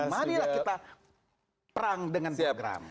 mari kita perang dengan program